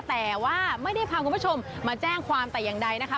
แต่ว่าไม่ได้พาคุณผู้ชมมาแจ้งความแต่อย่างใดนะคะ